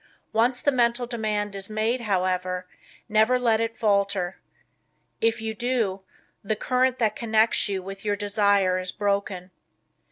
Once the Mental Demand is made, however, never let it falter. If you do the current that connects you with your desire is broken.